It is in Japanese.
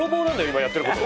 今やってる事。